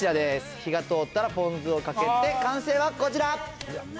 火が通ったらポン酢をかけて、完成はこちら。